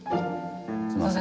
すみません